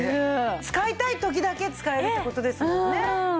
使いたい時だけ使えるって事ですもんね。